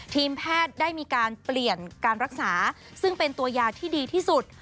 ทีมแพทย์ได้มีการเปลี่ยนการรักษาซึ่งเป็นตัวยาที่ดีที่สุด